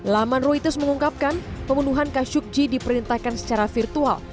laman ruytes mengungkapkan pembunuhan khashoggi diperintahkan secara virtual